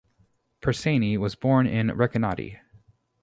Persiani was born in Recanati.